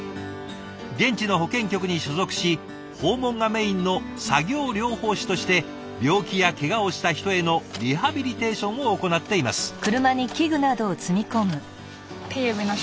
現地の保健局に所属し訪問がメインの作業療法士として病気やけがをした人へのリハビリテーションを行っています。